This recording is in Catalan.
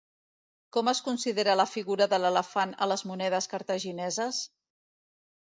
Com es considera la figura de l'elefant a les monedes cartagineses?